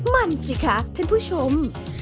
มันสิคะท่านผู้ชม